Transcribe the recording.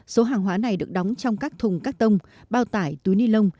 số hàng hóa này được đóng trong các thùng cắt tông bao tải túi ni lông